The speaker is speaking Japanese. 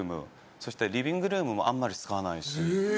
そして、リビングルームもあんまり使わないし。